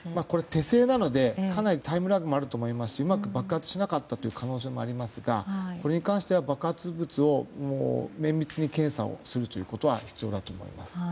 手製なのでかなりタイムラグもあると思いますしうまく爆発しなかった可能性もありますがこれに関しては、爆発物を綿密に検査をすることが必要だと思います。